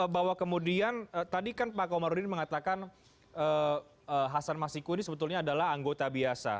bahwa kemudian tadi kan pak komarudin mengatakan hasan masiku ini sebetulnya adalah anggota biasa